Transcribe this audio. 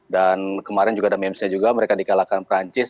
dan kemarin juga ada memesnya juga mereka dikalahkan perancis